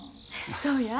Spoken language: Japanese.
そうや。